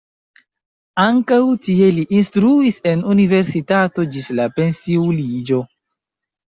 Ankaŭ tie li instruis en universitato ĝis la pensiuliĝo.